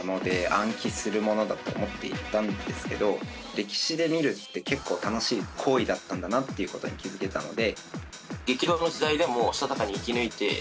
歴史で見るって結構楽しい行為だったんだなという事に気づけたので。